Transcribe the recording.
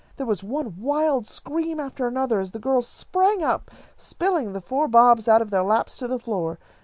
"] There was one wild scream after another, as the girls sprang up, spilling the four Bobs out of their laps to the floor.